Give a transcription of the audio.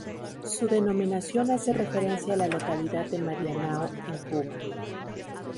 Su denominación hace referencia a la localidad de Marianao, en Cuba.